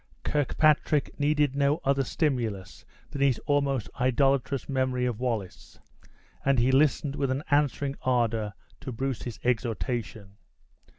Kirkpatrick needed no other stimulus than his almost idolatrous memory of Wallace, and he listened with an answering ardor to Bruce's exhortation.